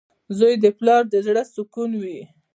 • زوی د پلار د زړۀ سکون وي.